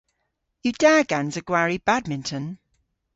Yw da gansa gwari badminton?